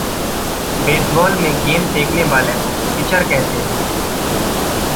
Baseball में गेंद फेंकने वाले को "पिचर" कहते है।